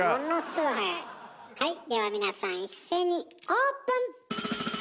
はいでは皆さん一斉にオープン！